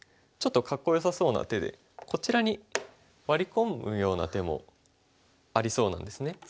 ちょっとかっこよさそうな手でこちらにワリ込むような手もありそうなんですね。